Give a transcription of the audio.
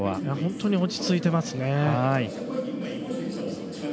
本当に落ち着いていますね。